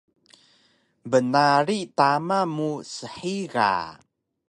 bnarig tama mu shiga